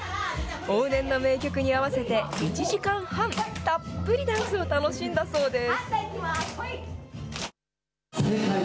往年の名曲に合わせて１時間半、たっぷりダンスを楽しんだそうです。